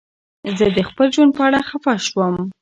زه د خپل ژوند په اړه خفه شوم.